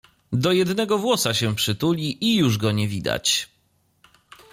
Do jednego włosa się przytuli i już go nie widać.